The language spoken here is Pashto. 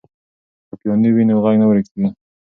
که پیانو وي نو غږ نه ورکېږي.